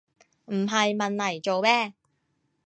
唔係問黎做咩